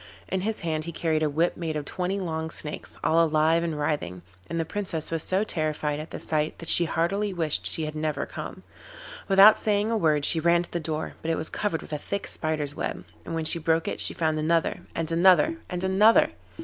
In his hand he carried a whip made of twenty long snakes, all alive and writhing, and the Princess was so terrified at the sight that she heartily wished she had never come. Without saying a word she ran to the door, but it was covered with a thick spider's web, and when she broke it she found another, and another, and another.